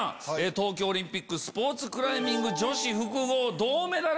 東京オリンピックスポーツクライミング女子複合銅メダル。